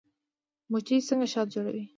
مچۍ څنګه شات جوړوي؟